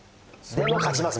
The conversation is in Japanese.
でも勝ちます！